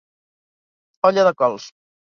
Olla de cols.